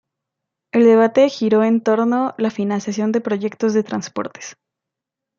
El debate giró en torno la financiación de proyectos de transportes.